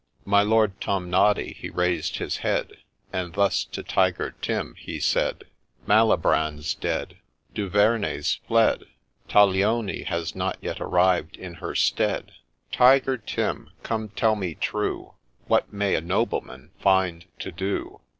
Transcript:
' My Lord Tomnoddy he raised his head, And thus to Tiger Tim he said, ' Malibran 's dead, Duvernay 's fled, Taglioni has not yet arrived in her stead ; Tiger Tim, come tell me true, What may a Nobleman find to do